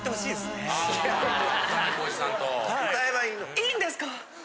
いいんですか？